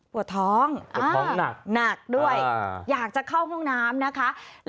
ปวดท้องหนักด้วยอยากจะเข้าห้องน้ำนะคะอ่าปวดท้องหนัก